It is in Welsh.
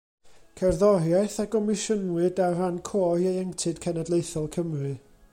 Cerddoriaeth a gomisiynwyd ar ran Côr Ieuenctid Cenedlaethol Cymru.